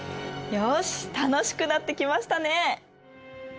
よし楽しくなってきましたね。